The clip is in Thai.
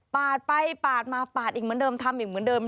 ไปปาดมาปาดอีกเหมือนเดิมทำอีกเหมือนเดิม